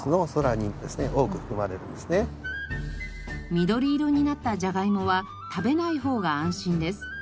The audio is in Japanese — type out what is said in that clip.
緑色になったジャガイモは食べないほうが安心です。